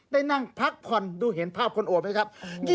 ได้นั่งพักผ่อนดูเห็นภาพคนโอบไหมครับ